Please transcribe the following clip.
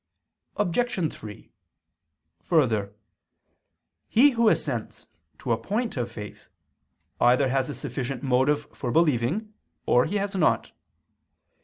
Obj. 3: Further, he who assents to a point of faith, either has a sufficient motive for believing, or he has not.